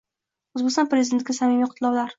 O‘zbekiston Prezidentiga samimiy qutlovlarng